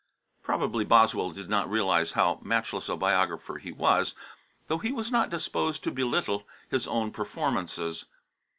Probably Boswell did not realise how matchless a biographer he was, though he was not disposed to belittle his own performances.